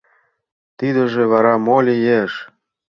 Тидыже вара мо лиеш?